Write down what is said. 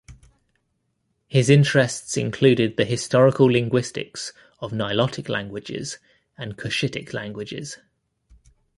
His interests included the historical linguistics of Nilotic languages and Cushitic languages.